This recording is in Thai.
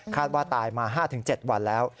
ว่าตายมา๕๗วันแล้ว